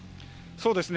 そうですね。